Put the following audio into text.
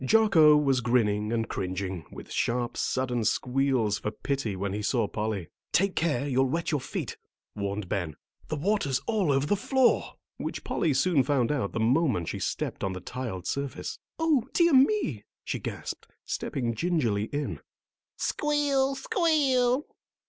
Jocko was grinning and cringing, with sharp, sudden squeals for pity when he saw Polly. "Take care, you'll wet your feet," warned Ben. "The water's all over the floor." Which Polly soon found out the moment she stepped on the tiled surface. "O dear me!" she gasped, stepping gingerly in. Squeal! Squeal!